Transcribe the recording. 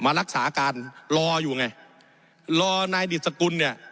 รักษาการรออยู่ไงรอนายดิสกุลเนี่ย